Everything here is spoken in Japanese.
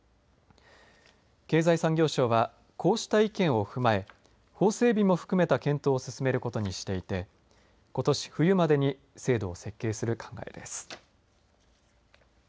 経済産業省はこうした意見を踏まえ法整備も含めた検討を進めることにしていてことし冬までに制度を設計する考えです。